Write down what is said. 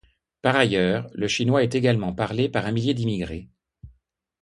Par ailleurs, le chinois est également parlé par un millier d'immigrés.